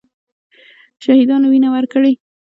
شهیدانو وینه ورکړې.